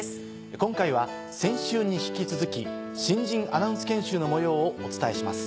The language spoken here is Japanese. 今回は先週に引き続き新人アナウンス研修の模様をお伝えします。